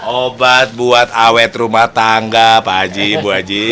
obat buat awet rumah tangga pak haji bu haji